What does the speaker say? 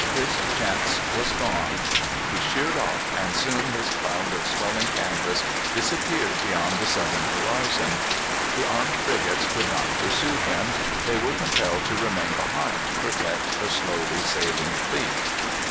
His chance was gone. He sheered off, and soon his cloud of swelling canvas disappeared beyond the southern horizon. The armed frigates could not pursue him. They were compelled to remain behind to protect the slowly sailing fleet.